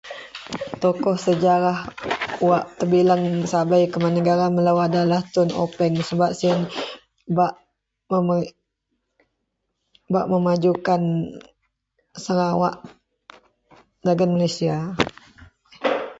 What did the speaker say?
Tokoh sejarah wak tebileng sabei kuman negara melou adalah Tun Openg. Sebap siyen bak memajukan Sarawak dagen Malaysia.